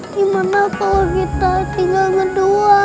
gimana kalau kita tinggal mendoa